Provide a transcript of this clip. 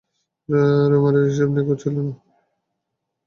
রোমারের হিসাব নিখুঁত ছিল না।